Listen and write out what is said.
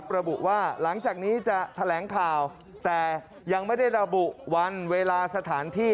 ระบุว่าหลังจากนี้จะแถลงข่าวแต่ยังไม่ได้ระบุวันเวลาสถานที่